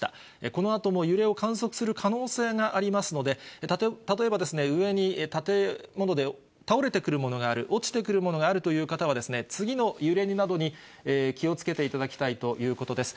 このあとも揺れを観測する可能性がありますので、例えば上に建物で倒れてくるものがある、落ちてくるものがあるという方は、次の揺れなどに気をつけていただきたいということです。